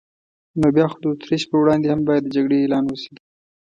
نو بیا خو د اتریش پر وړاندې هم باید د جګړې اعلان وشي.